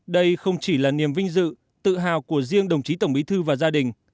đây không chỉ là niềm vinh dự tự hào của riêng đồng chí tổng bí thư và gia đình